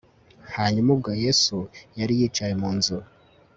hanyuma ubwo yesu yari yicaye mu nzu